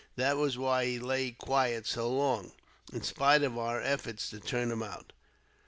That was why he lay quiet so long, in spite of our efforts to turn him out."